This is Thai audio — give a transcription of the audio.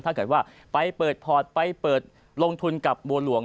ถ้าเกิดว่าไปเปิดพอร์ตไปเปิดลงทุนกับบัวหลวง